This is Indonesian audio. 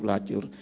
nah oleh pak cucu